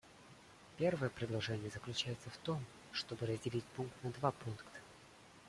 Первое предложение заключается в том, чтобы разделить пункт на два пункта.